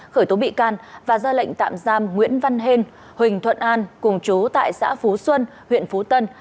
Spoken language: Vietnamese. khởi tố bị can và ra lệnh tạm giam nguyễn văn hên huỳnh thuận an cùng chú tại xã phú xuân huyện phú tân